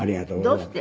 どうして？